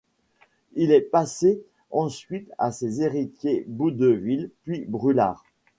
Il est passé ensuite à ses héritiers Boudeville puis Brûlart.